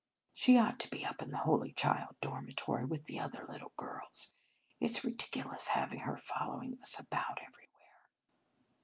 She ought to be up in the Holy Child dormitory with the other little girls. It s ridiculous having her following us about everywhere."